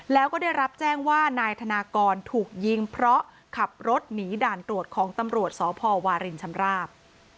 แล้วก็ได้รับแจ้งว่านายธนากรถูกยิงเพราะขับรถหนีด่านตรวจของตำรวจสพวารินชำราบ